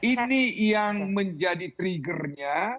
ini yang menjadi triggernya